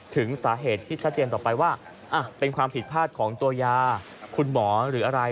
ถึงสาเหตุที่ชัดเจนต่อไปว่าเป็นความผิดพลาดของตัวยาคุณหมอหรืออะไร